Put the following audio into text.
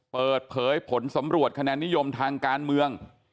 เปิดเผยผลสำรวจคะแนนนิยมทางการเมือง